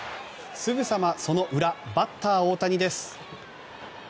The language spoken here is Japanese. すぐさま、その裏バッター大谷です。